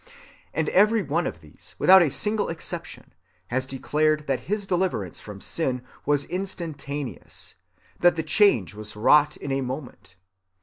And every one of these (without a single exception) has declared that his deliverance from sin was instantaneous; that the change was wrought in a moment.